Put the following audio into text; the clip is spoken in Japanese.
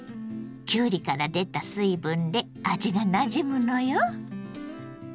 きゅうりから出た水分で味がなじむのよ。